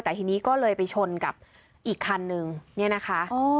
แต่ทีนี้ก็เลยไปชนกับอีกคันนึงเนี่ยนะคะ